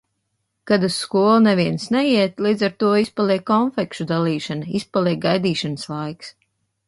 Kad uz skolu neviens neiet, līdz ar to izpaliek konfekšu dalīšana, izpaliek gaidīšanas laiks.